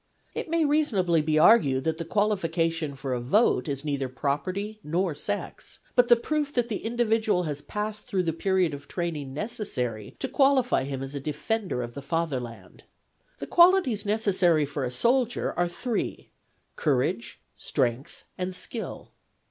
It may reasonably be argued that the qualification for a vote is neither property nor sex, but the proof that the individual has passed through the period of training necessary to qualify him as a defender of the fatherland. The qualities necessary for a soldier are three : courage, strength, and skill.